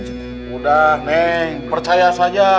udah neng percaya saja